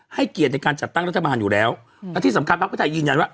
เกียรติในการจัดตั้งรัฐบาลอยู่แล้วและที่สำคัญพักเพื่อไทยยืนยันว่า